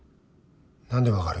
何で分かる？